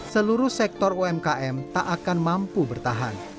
seluruh sektor umkm tak akan mampu bertahan